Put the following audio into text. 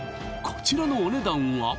こちらのお値段は？